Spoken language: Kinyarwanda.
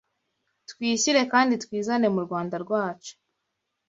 Twishyire kandi twizane mu Rwanda rwacu